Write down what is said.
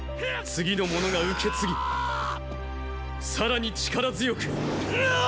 次の者が受け継ぎさらに力強くーー。